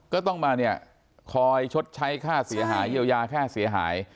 ก็ต้องมาเนี่ยคอยชดใช้ค่าเสียหายเยียวยาค่าเสียหาย